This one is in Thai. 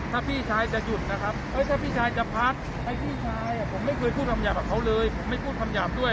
ถ้าพี่ชายจะหยุดนะครับถ้าพี่ชายจะพักไอ้พี่ชายผมไม่เคยพูดคำหยาบกับเขาเลยผมไม่พูดคำหยาบด้วย